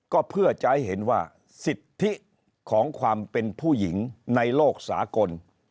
ก็เพื่อจะให้เห็นว่าสิทธิของความเป็นผู้หญิงในโลกสากล